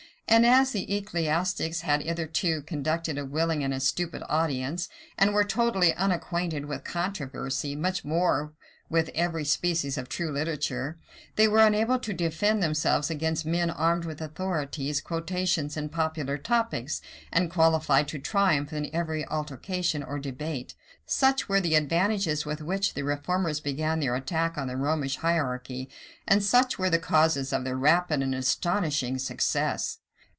And as the ecclesiastics had hitherto conducted a willing and a stupid audience, and were totally unacquainted with controversy, much more with every species of true literature, they were unable to defend themselves against men armed with authorities, quotations, and popular topics, and qualified to triumph in every altercation or debate. Such were the advantages with which the reformers began their attack on the Romish hierarchy; and such were the causes of their rapid and astonishing success.